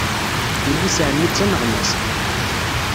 Yelli-s n ɛemmi d taneɣmast.